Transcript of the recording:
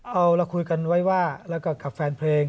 เอาเราคุยกันไว้ว่าแล้วก็กับแฟนเพลง